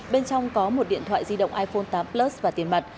bên trong có một điện thoại di động iphone tám plus và tiền mặt